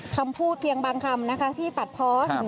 คำพูดเพียงบางคำนะคะที่ตัดเพาะ